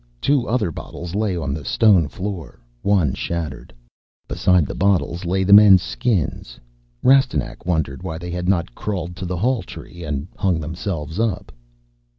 Two other bottles lay on the stone floor, one shattered. Besides the bottles lay the men's Skins. Rastignac wondered why they had not crawled to the halltree and hung themselves up.